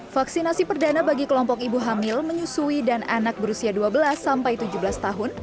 vaksinasi perdana bagi kelompok ibu hamil menyusui dan anak berusia dua belas sampai tujuh belas tahun